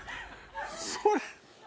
それ。